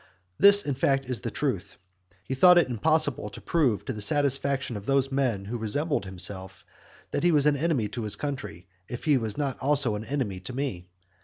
This, in fact, is the truth. He thought it impossible to prove to the satisfaction of those men who resembled himself, that he was an enemy to his country, if he was not also an enemy to me.